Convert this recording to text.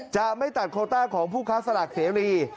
จะไม่ตัดโคต้าของผู้ค้าสลากเสรี